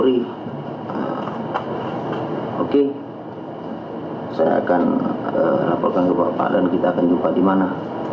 tapi tetep sejauh ini saya melakukan penumpang dewan kalau sebagai wakil bapak